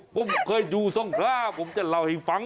ผมเคยอยู่ทรงขล้าผมจะเล่าให้ฟัง